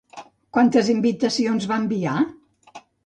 Quantes invitacions va enviar?